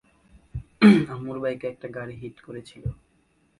আম্মুর বাইকে একটা গাড়ি হিট করেছিল!